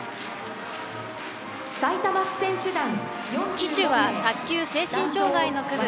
旗手は卓球・精神障害の区分